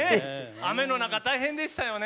雨の中大変でしたよね。